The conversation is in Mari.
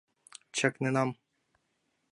Чакненам...